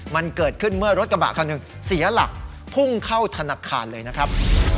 มันเกิดขึ้นเมื่อรถกระบะคันหนึ่งเสียหลักพุ่งเข้าธนาคารเลยนะครับ